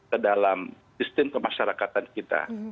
ke dalam sistem kemasyarakatan kita